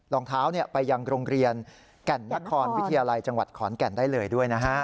รองเท้าไปยังโรงเรียนแก่นนครวิทยาลัยจังหวัดขอนแก่นได้เลยด้วยนะฮะ